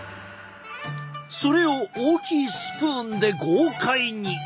それを大きいスプーンで豪快に！